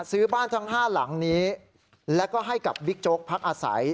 ซื้อบ้านทั้ง๕หลังนี้แล้วก็ให้กับบิ๊กโจ๊กพักอาศัย